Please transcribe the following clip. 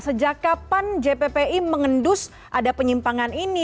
sejak kapan jppi mengendus ada penyimpangan ini